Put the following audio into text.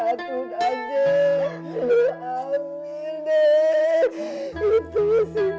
itu si johnny